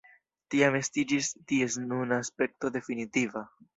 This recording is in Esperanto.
Tiam estiĝis ties nuna aspekto definitiva.